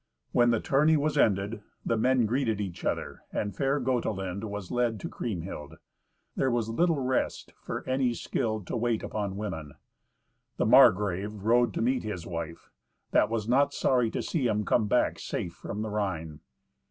When the tourney was ended, the men greeted each other, and fair Gotelind was led to Kriemhild. There was little rest for any skilled to wait upon women. The Margrave rode to meet his wife, that was not sorry to see him come back safe from the Rhine.